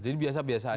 jadi biasa biasa aja